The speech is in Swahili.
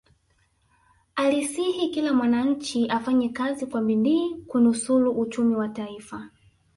alisihi kila mwananchi afanye kazi kwa bidii kunusulu uchumi wa taifa